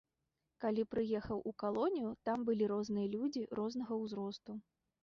Калі прыехаў у калонію, там былі розныя людзі, рознага ўзросту.